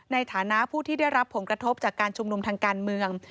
ในฐานะผู้ที่ได้รับผลกระทบจากการชุมนุมทางการเมือง